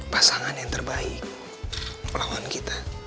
pasangan yang terbaik melawan kita